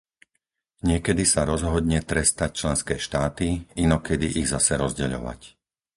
Niekedy sa rozhodne trestať členské štáty, inokedy ich zase rozdeľovať.